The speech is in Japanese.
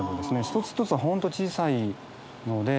一つ一つは本当小さいので。